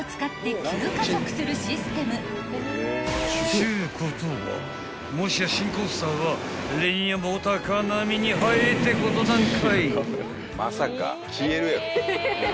［ちゅうことはもしや新コースターはリニアモーターカー並みに速えってことなんかい？］